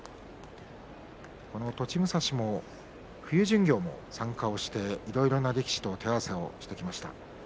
この栃武蔵も冬巡業も参加していろいろな力士と手合わせをしてきました。